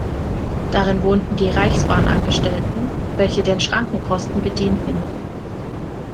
Darin wohnten die Reichsbahn-Angestellten, welche den Schrankenposten bedienten.